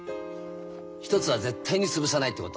１つは絶対に潰さないっていうこと。